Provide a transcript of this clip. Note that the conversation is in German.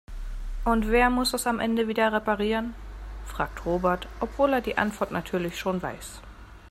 Und wer muss es am Ende wieder reparieren?, fragt Robert, obwohl er die Antwort natürlich schon weiß.